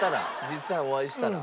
実際お会いしたら？